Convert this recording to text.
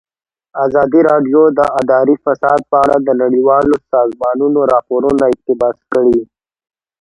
ازادي راډیو د اداري فساد په اړه د نړیوالو سازمانونو راپورونه اقتباس کړي.